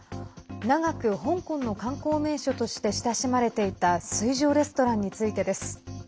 長く香港の観光名所として親しまれていた水上レストランについてです。